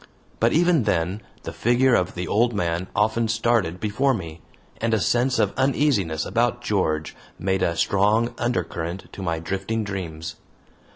But even then the figure of the old man often started before me, and a sense of uneasiness about George made a strong undercurrent to my drifting dreams.